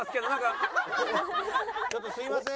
ちょっとすみません。